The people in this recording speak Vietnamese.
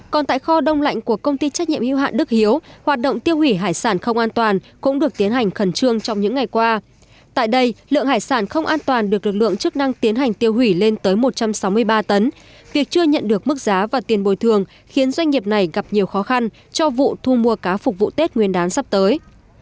còn tại kho đông lạnh của công ty trách nhiệm hữu hạn đức hiếu hoạt động tiêu hủy hải sản không an toàn cũng được tiến hành khẩn trương trong những ngày qua tại đây lượng hải sản không an toàn được lực lượng chức năng tiến hành tiêu hủy lên tới một trăm sáu mươi ba tấn việc chưa nhận được mức giá và tiền bồi thường khiến doanh nghiệp này gặp nhiều khó khăn cho vụ thu mua cá phục vụ tết nguyên đán sắp tới